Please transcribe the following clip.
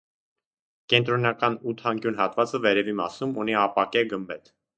Կենտրոնական ութանկյուն հատվածը վերևի մասում ունի ապակե գմբեթ։